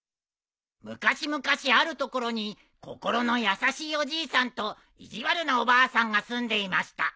「昔々ある所に心の優しいおじいさんと意地悪なおばあさんが住んでいました」